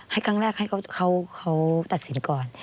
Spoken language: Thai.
ให้ครั้งแรกให้เขาตัดสินก่อน